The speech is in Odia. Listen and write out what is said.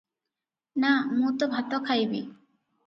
ନାଁ ମୁଁ ତ ଭାତ ଖାଇବି ।"